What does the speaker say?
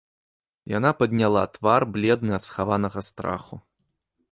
Яна падняла твар бледны ад схаванага страху.